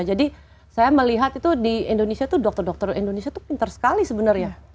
jadi saya melihat itu di indonesia dokter dokter indonesia itu pintar sekali sebenarnya